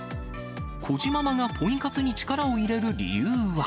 こじままがポイ活に力を入れる理由は。